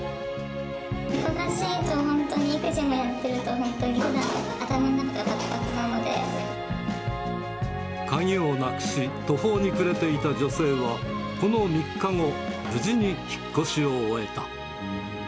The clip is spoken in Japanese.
忙しいと、本当に育児もやってると、鍵をなくし、途方に暮れていた女性は、この３日後、無事に引っ越しを終えた。